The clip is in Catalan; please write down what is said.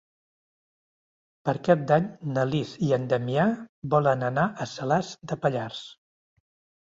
Per Cap d'Any na Lis i en Damià volen anar a Salàs de Pallars.